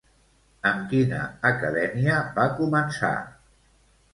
Amb quina acadèmia va començar?